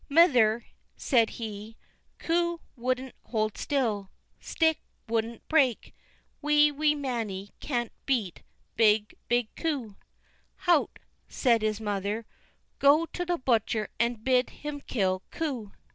"Mither," said he, "coo won't hold still, stick won't break, wee, wee Mannie can't beat big, big coo." "Hout!" said his mother, "go to the butcher and bid him kill coo."